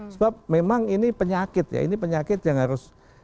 sebab memang ini penyakit ya ini penyakit yang harus